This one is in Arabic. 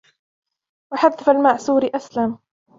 وَحَذْفَ الْمَعْسُورِ أَسْلَمُ